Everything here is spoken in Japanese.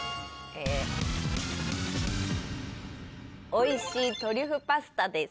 おいしいトリュフパスタです。